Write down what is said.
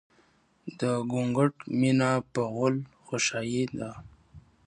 د ګونګټ مينه په غول غوشايه ده